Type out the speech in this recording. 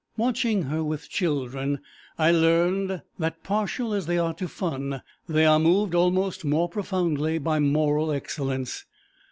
Watching her with children I learned that partial as they are to fun they are moved almost more profoundly by moral excellence.